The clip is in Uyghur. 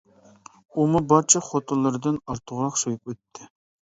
ئۇمۇ بارچە خوتۇنلىرىدىن ئارتۇقراق سۆيۈپ ئۆتتى.